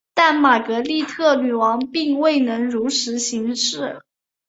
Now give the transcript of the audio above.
但玛格丽特女王并未能如实行事。